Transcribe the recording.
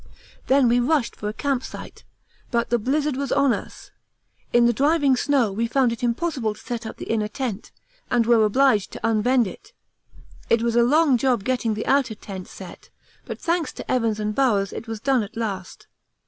Then we rushed for a camp site, but the blizzard was on us. In the driving snow we found it impossible to set up the inner tent, and were obliged to unbend it. It was a long job getting the outer tent set, but thanks to Evans and Bowers it was done at last.